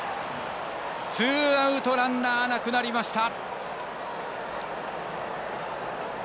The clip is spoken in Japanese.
ツーアウトランナーなくなりました。